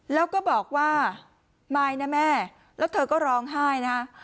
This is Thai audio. แล้วก็บอกว่ามายนะแม่แล้วเธอก็ร้องไห้นะ